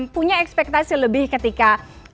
punya ekspetasi lebih ketika